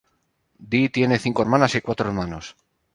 Dee tiene cinco hermanas y cuatro hermanos.